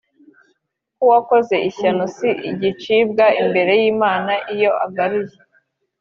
ko uwakoze ishyano si igicibwa imbere y’imana iyo agaruye